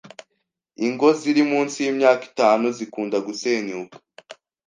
ingo ziri munsi y’imyaka itanu zikunda gusenyuka